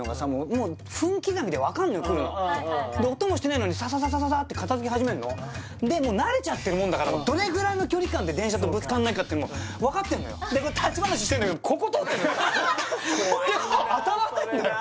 もう分刻みで分かんのよ来るので音もしてないのにサササササって片付け始めんのでもう慣れちゃってるもんだからどれぐらいの距離感で電車とぶつかんないかっていうのも分かってんのよでこう立ち話してんだけどここ通ってんのよでも当たらないんだよ